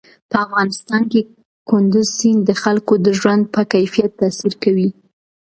په افغانستان کې کندز سیند د خلکو د ژوند په کیفیت تاثیر کوي.